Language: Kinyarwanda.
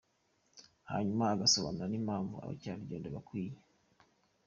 hanyuma ugasobanura n’impamvu abakerarugendo bakwiye